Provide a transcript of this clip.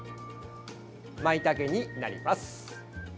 まいたけになります。